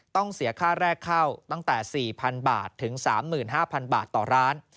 เสียค่าแรกเข้าตั้งแต่๔๐๐๐บาทถึง๓๕๐๐บาทต่อร้าน